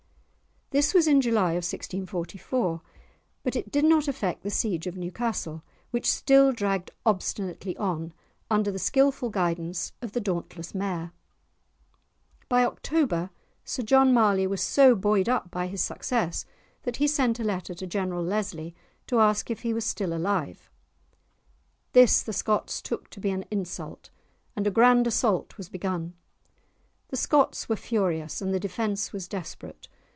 This was in July of 1644, but it did not affect the siege of Newcastle, which still dragged obstinately on, under the skilful guidance of the dauntless Mayor. By October, Sir John Marley was so buoyed up by his success that he sent a letter to General Leslie to ask if he was still alive! This the Scots took to be an insult, and a grand assault was begun. The Scots were furious, and the defence was desperate.